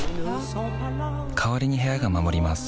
代わりに部屋が守ります